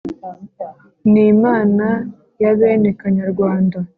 n’imana yabene kanyarwanda